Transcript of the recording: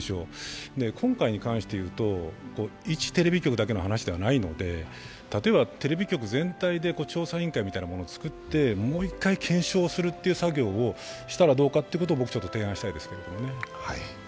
今回に関していうと、１テレビ局だけの話ではないので例えばテレビ局全体で調査委員会みたいなものを作ってもう一回検証したらどうかと僕は提案したいです。